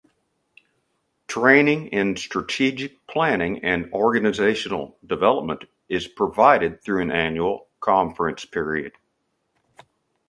Training in strategic planning and organisational development is provided through an annual conference.